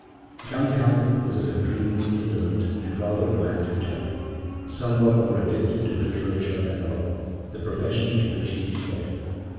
Young Halpin was of a dreamy, indolent and rather romantic turn, somewhat more addicted to literature than law, the profession to which he was bred.